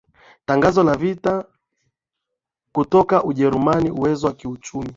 tangazo la vita kutoka Ujerumani Uwezo wa kiuchumi